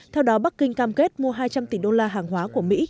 theo đó bắc kinh cam kết mua hai trăm linh tỷ đô la hàng hóa của mỹ